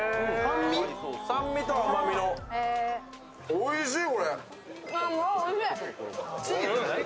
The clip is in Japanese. おいしい。